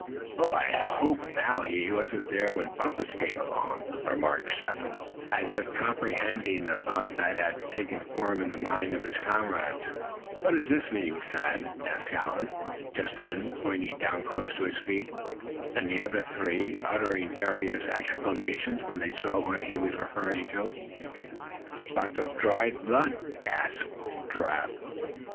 "Oh! my, I hope now he wasn't there when Bumpus came along," remarked Step Hen, as if comprehending the thought that had taken form in the mind of his comrade. "What's this mean, Thad?" asked Allen, just then, pointing down close to his feet; and the other three uttered various exclamations when they saw what he was referring to. "Spots of dried blood!" gasped Giraffe.